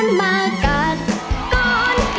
รักกันมาหัวใจมันอยากเสนอ